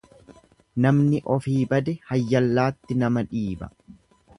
Namni ofii bade hayyallaatti nama dhiiba.